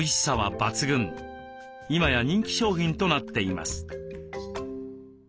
今や人気商品となっています。